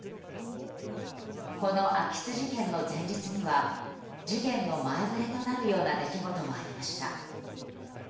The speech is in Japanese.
この空き巣事件の前日には事件の前触れとなるような出来事もありました。